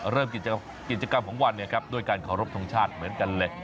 เริ่มกิจกรรมของวันด้วยการเคารพทงชาติเหมือนกันเลย